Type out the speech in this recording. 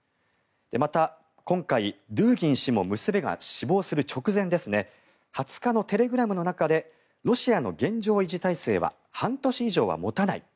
また今回、ドゥーギン氏も娘が死亡する直前２０日のテレグラムの中でロシアの現状維持体制は半年以上はもたない。